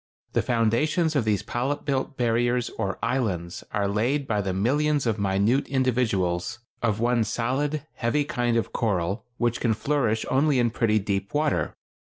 The foundations of these polyp built barriers or islands are laid by the millions of minute individuals of one solid, heavy kind of coral which can flourish only in pretty deep water.